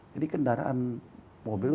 jadi kendaraan mobil